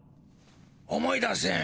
思い出せん。